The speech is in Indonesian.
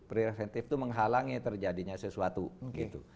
preventif itu menghalangi terjadinya sesuatu gitu